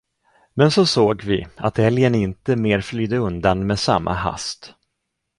Men så såg vi, att älgen inte mer flydde undan med samma hast.